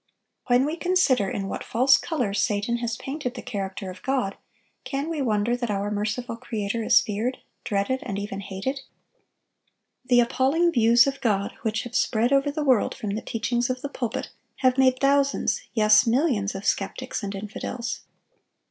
When we consider in what false colors Satan has painted the character of God, can we wonder that our merciful Creator is feared, dreaded, and even hated? The appalling views of God which have spread over the world from the teachings of the pulpit have made thousands, yes, millions, of skeptics and infidels.